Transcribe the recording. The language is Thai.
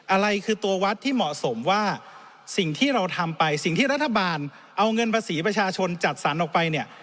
อะไรคือตัววัดที่เหมาะสมว่าสิ่งที่เราทำไปสิ่งที่รัฐบาลเอาเงินภาษีประชาชนจัดสรรออกไปเนี่ย